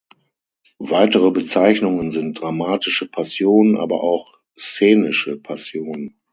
Weitere Bezeichnungen sind "dramatische Passion," aber auch "szenische Passion".